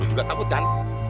lu juga takut kan